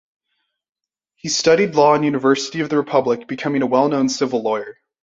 He studied law in University of the Republic, becoming a well-known civil lawyer.